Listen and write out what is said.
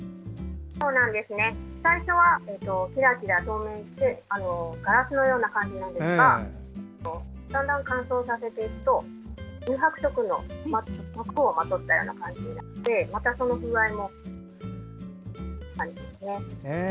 最初は、きらきら透明でガラスのような感じなんですがだんだん乾燥させていくと乳白色の膜をまとったような感じになってまた風合いも変わるんです。